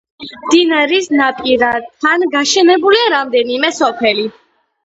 მდინარის ნაპირებთან გაშენებულია რამდენიმე სოფელი.